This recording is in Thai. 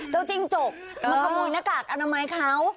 จิ้งจกมาขโมยหน้ากากอนามัยเขา